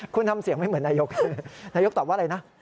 คุณทำเสียงไม่เหมือนนายกตอบว่าอะไรนะ